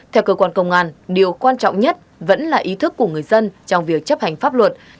theo cơ quan công an điều quan trọng nhất vẫn là ý thức của người dân trong việc chấp hành pháp luật